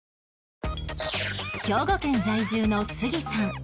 兵庫県在住の杉さん